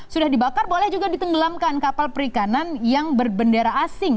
sudah dibakar boleh juga ditenggelamkan kapal perikanan yang berbendera asing